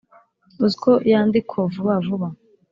uziko yandiko vuba vuba